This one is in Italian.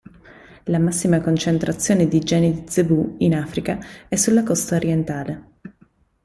La massima concentrazione di geni di zebù in Africa è sulla costa orientale.